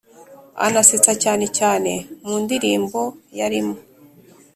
anasetsa cyane cyane mu ndilimbo yarimo